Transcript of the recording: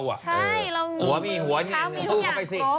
ใช่หัวมีหัวมีทุกอย่างครบ